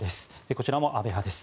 こちらも安倍派です。